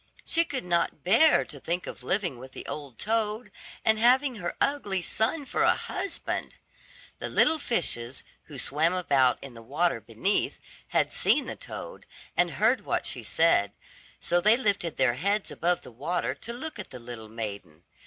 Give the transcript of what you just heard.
She could not bear to think of living with the old toad, and having her ugly son for a husband. The little fishes, who swam about in the water beneath, had seen the toad, and heard what she said, so they lifted their heads above the water to look at the little maiden.